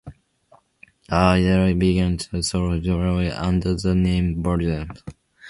He then began a solo project under the name Burzum.